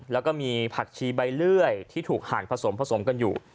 แล้วก็มีผักชีใบเลื่อยที่ถูกหั่นผสมผสมกันอยู่